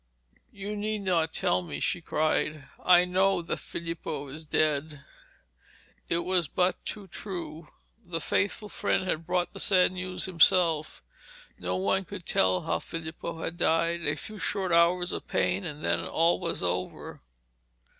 'You need not tell me,' she cried; 'I know that Filippo is dead.' It was but too true. The faithful friend had brought the sad news himself. No one could tell how Filippo had died. A few short hours of pain and then all was over.